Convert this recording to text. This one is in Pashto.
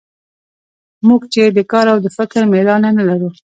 موږ چې د کار او د فکر مېړانه نه لرو.